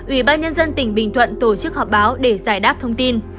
ủy ban nhân dân tỉnh bình thuận tổ chức họp báo để giải đáp thông tin